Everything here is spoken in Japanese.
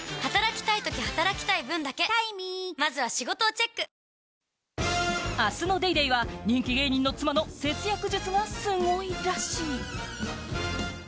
関東は明日の『ＤａｙＤａｙ．』は人気芸人の妻の節約術がすごいらしい。